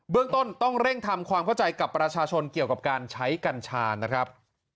เรื่องต้นต้องเร่งทำความเข้าใจกับประชาชนเกี่ยวกับการใช้กัญชานะครับ